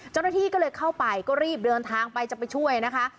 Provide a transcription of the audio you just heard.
เจ้าหน้าที่ก็เลยเข้าไปก็รีบเดินทางไปจะไปช่วยนะคะ